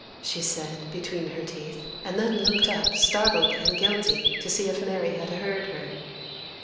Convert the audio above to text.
she said, between her teeth, and then looked up, startled and guilty, to see if Mary had heard her.